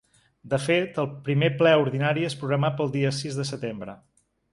De fet, el primer ple ordinari és programat per al dia sis de setembre.